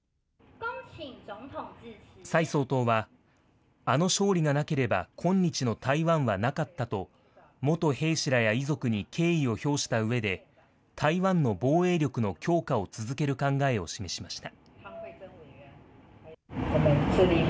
蔡総統は、あの勝利がなければこんにちの台湾はなかったと、元兵士らや遺族に敬意を表したうえで、台湾の防衛力の強化を続ける考えを示しました。